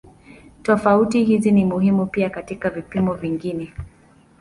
Tofauti hizi ni muhimu pia katika vipimo vingine.